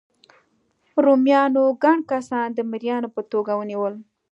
رومیانو ګڼ کسان د مریانو په توګه ونیول.